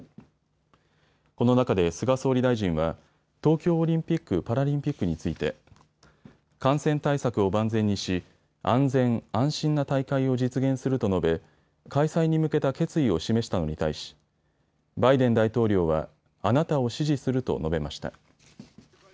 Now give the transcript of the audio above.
この中で菅総理大臣は東京オリンピック・パラリンピックについて感染対策を万全にし安全・安心な大会を実現すると述べ開催に向けた決意を示したのに対しバイデン大統領はあなたを支持すると述べました。